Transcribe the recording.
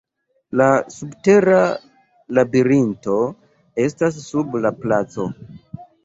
La subtera labirinto estas sub la placo.